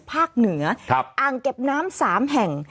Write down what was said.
ภาคเหนืออ่างเก็บน้ำ๓แห่ง